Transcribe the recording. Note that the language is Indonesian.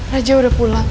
raja udah pulang